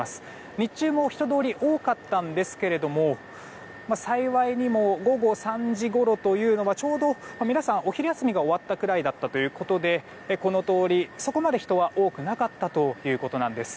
日中も人通りは多かったんですが幸いにも午後３時ごろというのがちょうど皆さん、お昼休みが終わったくらいだったということでこの通り、そこまで人は多くなかったということです。